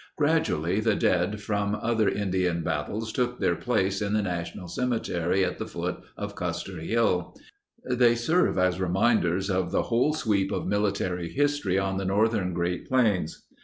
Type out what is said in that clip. Gradually the dead from other Indian battles took their place in the national cemetery at the foot of Custer Hill. They serve as reminders of the whole sweep of military history on the northern Great Plains.